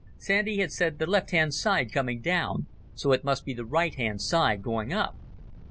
Sandy had said the left hand side coming down, so it must be the right hand side going up.